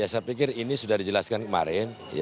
saya pikir ini sudah dijelaskan kemarin